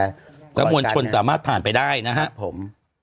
มวลชนสามารถผ่านไปได้นะครับผม